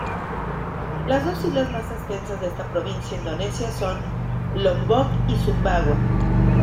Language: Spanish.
Las dos islas más extensas de esta provincia indonesia son Lombok y Sumbawa.